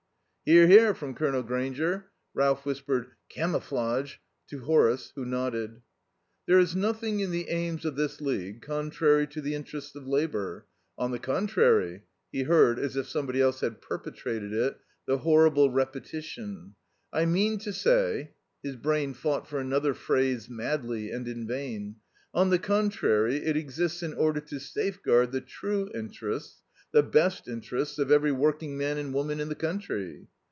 "Hear! Hear!" from Colonel Grainger. Ralph whispered, "Camouflage!" to Horace, who nodded. "There is nothing in the aims of this League contrary to the interests of Labour. On the contrary" he heard, as if somebody else had perpetrated it, the horrible repetition "I mean to say " His brain fought for another phrase madly and in vain. "On the contrary, it exists in order to safeguard the true interests, the best interests, of every working man and woman in the country."